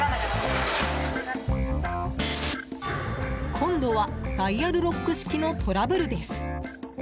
今度は、ダイヤルロック式のトラブルです。